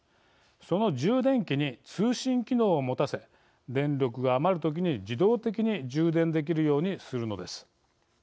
その充電器に通信機能を持たせ電力が余る時に自動的に充電できるようにするのです。